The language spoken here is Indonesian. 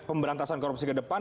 pemberantasan korupsi ke depan